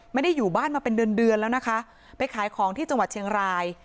ไม่ได้อยู่บ้านมาเป็นเดือนเดือนแล้วนะคะไปขายของที่จังหวัดเชียงราย